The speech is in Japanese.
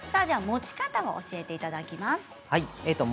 持ち方を教えていただきます。